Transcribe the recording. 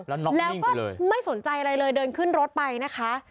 แล้วก็ไม่สนใจอะไรเลยเดินขึ้นรถไปนะคะ